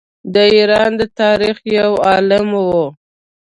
د ایران د تاریخ یو عالم وو.